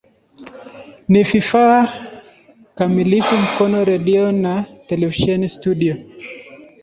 Ni vifaa kikamilifu Mkono redio na televisheni studio.